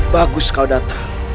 bagus kau datang